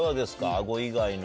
顎以外の。